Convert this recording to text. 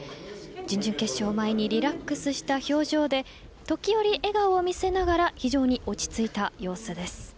準々決勝前にリラックスした表情で時折笑顔を見せながら非常に落ち着いた様子です。